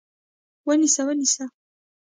ونیسه! ونیسه!